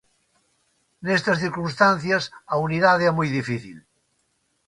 Nestas circunstancias a unidade é moi difícil.